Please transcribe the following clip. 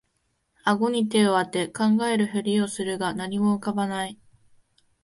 あごに手をあて考えるふりをするが何も浮かばない